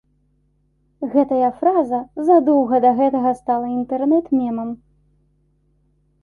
Гэтая фраза задоўга да гэтага стала інтэрнэт-мемам.